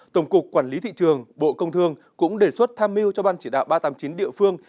tổng cục quản lý thị trường bộ công thương cũng đề xuất tham mưu cho ban chỉ đạo ba trăm tám mươi chín địa phương